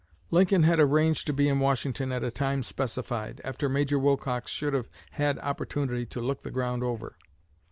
Lincoln had arranged to be in Washington at a time specified, after Major Wilcox should have had opportunity to look the ground over.